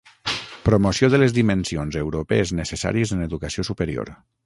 Promoció de les dimensions europees necessàries en educació superior